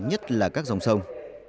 nhất là các dòng sông